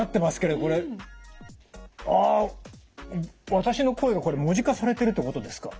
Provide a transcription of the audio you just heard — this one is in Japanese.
あ私の声がこれ文字化されてるってことですか？